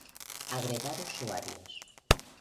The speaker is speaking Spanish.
Agregar usuarios